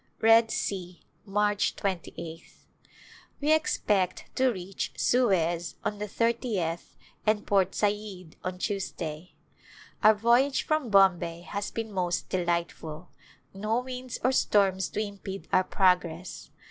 Red Sea^ March 28th. We expect to reach Suez on the thirtieth and Port Said on Tuesday. Our voyage from Bombay has been most delightful, no winds or storms to impede our progress.